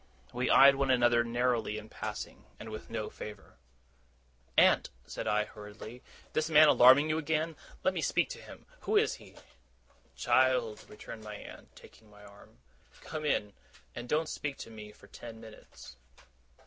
We eyed one another narrowly in passing, and with no favour. 'Aunt,' said I, hurriedly. 'This man alarming you again! Let me speak to him. Who is he?' 'Child,' returned my aunt, taking my arm, 'come in, and don't speak to me for ten minutes.